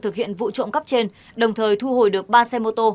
thực hiện vụ trộm cắp trên đồng thời thu hồi được ba xe mô tô